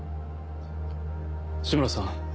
志村さん